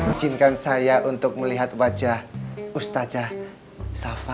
izinkan saya untuk melihat wajah ustazah sapa